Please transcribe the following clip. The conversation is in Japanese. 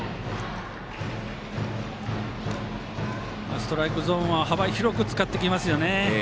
ストライクゾーンは幅広く使ってきますよね。